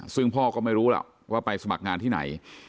ซึ่งพ่อก็ไม่รู้หรอกว่าไปสมัครงานที่ไหน